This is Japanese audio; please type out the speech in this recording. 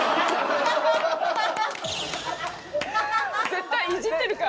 絶対「いじってるか？